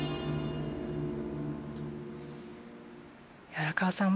荒川さん